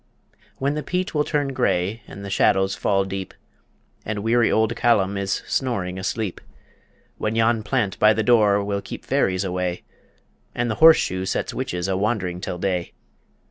When the peat will turn grey and the shadows fall deep, And weary Old Callum is snoring asleep; When yon plant by the door will keep fairies away, And the horse shoe sets witches a wandering till day.